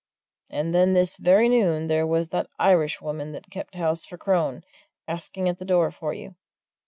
"And then this very noon there was that Irishwoman that kept house for Crone, asking at the door for you."